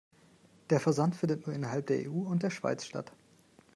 Der Versand findet nur innerhalb der EU und der Schweiz statt.